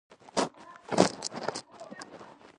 لږ ها خوا یو کنډر غوندې ځای و.